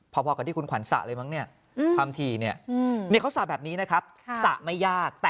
พอพอกับที่คุณขวัญสะเลยมั้งเนี่ย